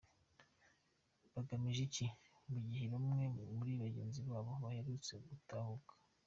Bagamije iki, mu gihe bamwe muri bagenzi babo baherutse gutahuka?